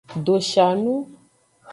Doshanu.